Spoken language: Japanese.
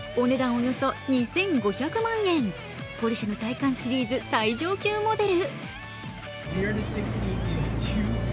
およそ２５００万円、ポルシェのタイカンシリーズ最上級モデル。